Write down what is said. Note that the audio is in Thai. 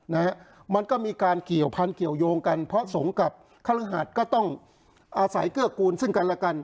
นะฮะมันก็มีการเกี่ยวพันธุเกี่ยวยงกันเพราะสงฆ์กับคฤหัสก็ต้องอาศัยเกื้อกูลซึ่งกันและกัน